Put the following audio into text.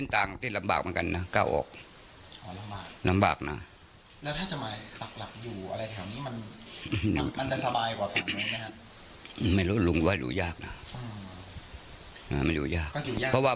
มันจะสะบายกว่าทางนี้นะครับไม่รู้งว่าดูยากแนะ